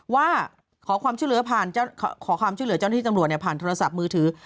ว่าขอความช่วยเหลือผ่านเจ้าหน้าที่ตำรวจผ่านโทรศัพท์มือถือ